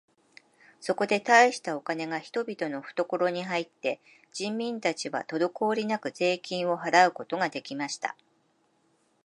そこで大したお金が人々のふところに入って、人民たちはとどこおりなく税金を払うことが出来ました。